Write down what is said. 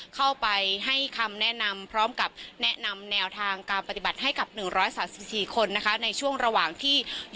เข้าไปให้คำแนะนำพร้อมกับแนะนำแนวทางการปฏิบัติ